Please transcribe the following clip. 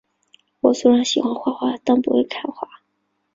我虽然喜欢画画，但却不会看画